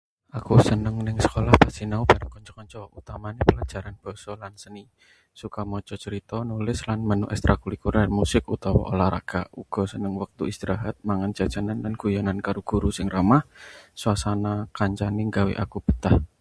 Aku seneng neng sekolah pas sinau bareng konco-konco, utamané pelajaran basa lan seni. Suka maca crita, nulis, lan melu ekstrakurikuler musik utawa olahraga. Uga seneng wektu istirahat, mangan jajanan lan guyonan karo guru sing ramah. Suasana kancané nggawe aku betah.